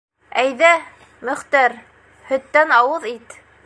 -Әйҙә, Мөхтәр, һөттән ауыҙ ит.